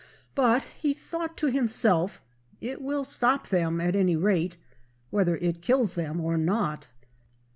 But he thought to himself, "It will stop them, at any rate, whether it kills them or not."